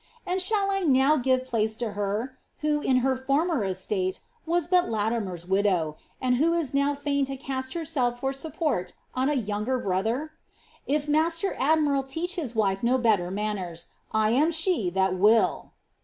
And shall I now give place to her, who, in her former estate was but Latiroefs widow, an<l who is now fain to cast herself for support on a younger brother ? If master admiral teach his wife no better manners, I am she that will."'